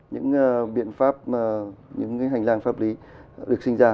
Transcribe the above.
những biện pháp những hành lang pháp lý được sinh ra